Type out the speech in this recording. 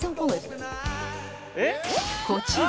こちら